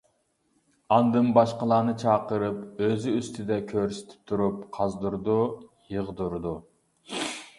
ئاندىن باشقىلارنى چاقىرىپ، ئۆزى ئۈستىدە كۆرسىتىپ تۇرۇپ قازدۇرىدۇ، يىغدۇرىدۇ.